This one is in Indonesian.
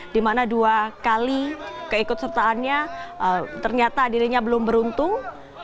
dimana dua kali keikut sertaannya ternyata dirinya belum beruntung